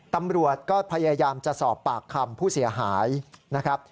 ตำรวจก็พยายามจะสอบปากคำผู้เสียหายนะครับ